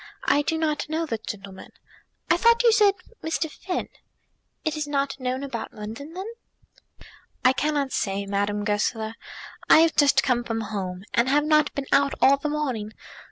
I do not know the gentleman. I thought you said Mr. Finn." "It is not known about London, then?" "I cannot say, Madame Goesler. I have just come from home, and have not been out all the morning.